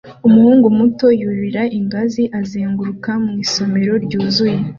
Umuhungu muto yurira ingazi izenguruka mu isomero ryuzuye